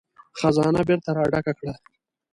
خزانه بېرته را ډکه کړه.